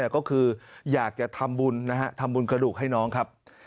ก็คืออยากจะทำบุญทำบุญกระดูกให้น้องครับ